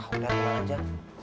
udah tenang aja